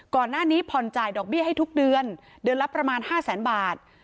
ก่อนหน้านี้ผ่อนจ่ายดอกเบี้ยให้ทุกเดือนเดือนละประมาณ๕แสนบาท